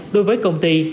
đối với công ty